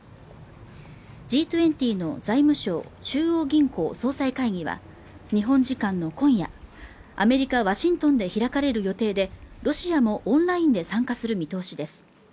Ｇ２０の財務相中央銀行総裁会議は日本時間の今夜アメリカワシントンで開かれる予定でロシアもオンラインで参加する見通しです